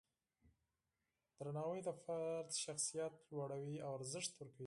درناوی د فرد شخصیت لوړوي او ارزښت ورکوي.